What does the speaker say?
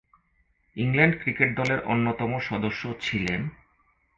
England cricket দলের অন্যতম সদস্য ছিলেন।